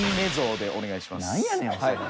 何やねんそれ。